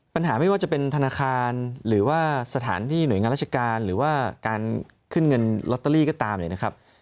ไม่ว่าจะเป็นธนาคารหรือว่าสถานที่หน่วยงานราชการหรือว่าการขึ้นเงินลอตเตอรี่ก็ตามเนี่ยนะครับ